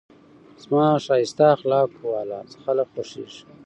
زما ښایسته اخلاقو واله خلک خوښېږي.